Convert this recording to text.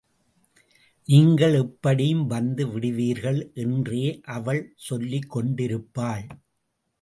நீங்கள் எப்படியும் வந்து விடுவீர்கள் என்றே அவள் சொல்லிக் கொண்டிருப்பாள்.